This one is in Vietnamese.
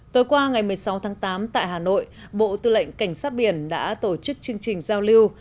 tối qua ngày một mươi sáu tháng tám tại hà nội bộ tư lệnh cảnh sát biển đã tổ chức chương trình giao lưu